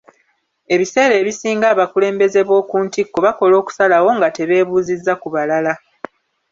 Ebiseera ebisinga abakulembeze b'oku ntikko bakola okusalawo nga tebeebuuzizza ku balala.